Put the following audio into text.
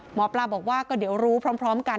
หมอปลาบอกว่าก็เดี๋ยวรู้พร้อมกัน